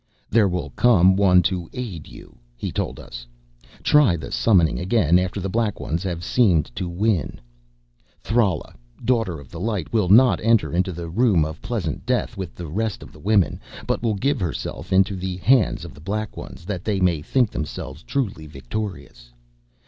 "'There will come one to aid you,' he told us. 'Try the summoning again after the Black Ones have seemed to win. Thrala, Daughter of the Light, will not enter into the Room of Pleasant Death with the rest of the women, but will give herself into the hands of the Black Ones, that they may think themselves truly victorious.